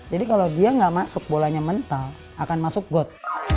jadi kalau dia nggak masuk bolanya mental akan masuk got